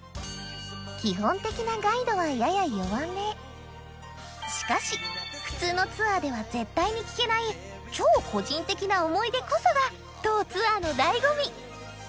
基本的なガイドはやや弱めしかし普通のツアーでは絶対に聞けない超個人的な思い出こそが当ツアーの醍醐味！